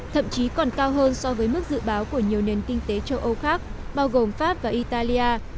thậm chí còn cao hơn so với mức dự báo của nhiều nền kinh tế châu âu khác bao gồm pháp và italia